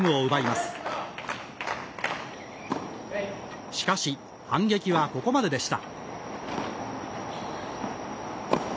しかし、反撃はここまででした。